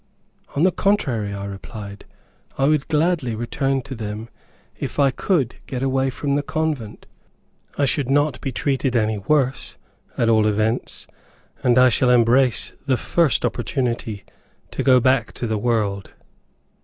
"On the contrary," I replied, "I would gladly return to them again if I could get away from the convent. I should not be treated any worse, at all events, and I shall embrace the first opportunity to go back to the world."